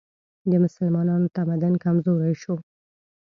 د مسلمانانو تمدن کمزوری شو